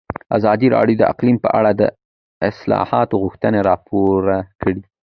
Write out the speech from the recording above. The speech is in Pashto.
ازادي راډیو د اقلیم په اړه د اصلاحاتو غوښتنې راپور کړې.